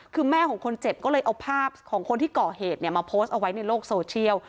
คือแม่ของคนเจ็บก็เลยเอาภาพของคนที่ก่อเหตุมาโพสต์เอาไว้ในโลกโซเชียล